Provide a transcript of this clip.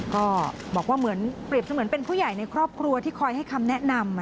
ก็บอกว่าเหมือนเป็นผู้ใหญ่ในครอบครัวที่คอยให้คำแนะนำ